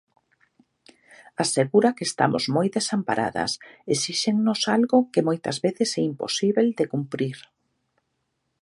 Asegura que "estamos moi desamparadas, exíxennos algo que moitas veces é imposíbel de cumprir".